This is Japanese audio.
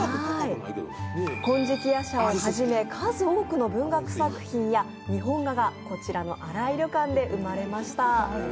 「金色夜叉」をはじめ数多くの文学作品や日本画がこちらの新井旅館で生まれました。